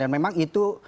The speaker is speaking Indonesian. dan memang itu